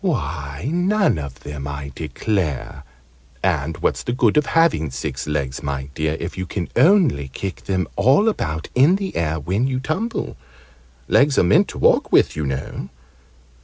Why, none of them, I declare! And what's the good of having six legs, my dear, if you can only kick them all about in the air when you tumble? Legs are meant to walk with, you know.